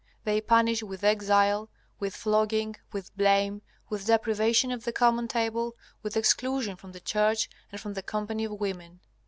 They punish with exile, with flogging, with blame, with deprivation of the common table, with exclusion from the church and from the company of women.